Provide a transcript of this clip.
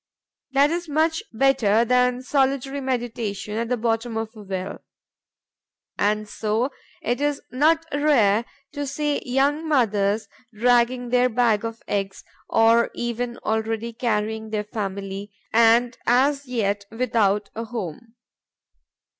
That is much better than solitary meditation at the bottom of a well. And so it is not rare to see young mothers dragging their bag of eggs, or even already carrying their family, and as yet without a home.